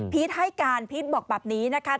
ให้การพีชบอกแบบนี้นะคะ